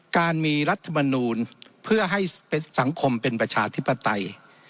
การมีรัฐมนูลเพื่อให้สังคมเป็นประชาธิปไตย